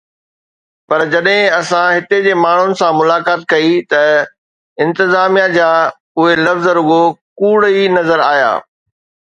پر جڏهن اسان هتي جي ماڻهن سان ملاقات ڪئي ته انتظاميه جا اهي لفظ رڳو ڪوڙ ئي نظر آيا.